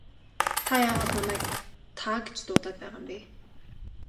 Та яагаад намайг та гэж дуудаад байгаа юм бэ?